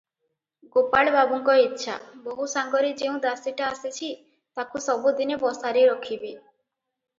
ଗୋପାଳବାବୁଙ୍କ ଇଚ୍ଛା, ବୋହୂ ସାଙ୍ଗରେ ଯେଉଁ ଦାସୀଟା ଆସିଛି, ତାକୁ ସବୁଦିନେ ବସାରେ ରଖିବେ ।